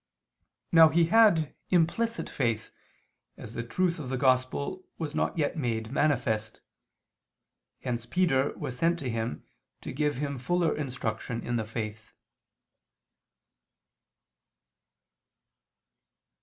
Now he had implicit faith, as the truth of the Gospel was not yet made manifest: hence Peter was sent to him to give him fuller instruction in the faith.